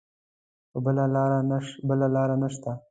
بله لاره نه شته.